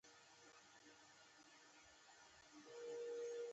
زه د "الف" حرف لیکم.